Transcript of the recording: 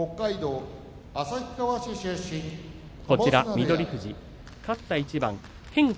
翠富士、勝った一番、変化。